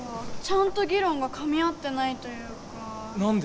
ちゃんと議論がかみ合ってないというか。